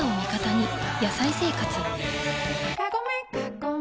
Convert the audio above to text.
「野菜生活」